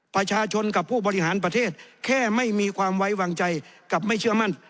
ประชาชนกับผู้บริหารประเทศแค่ไม่มีความไว้วางใจกับไม่เชื่อมั่น